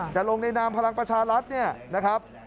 จะลงในนามพลังประชารัฐเนี่ยนะครับ